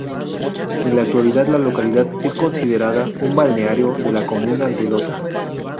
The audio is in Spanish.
En la actualidad la localidad es considerada un balneario de la comuna de Lota.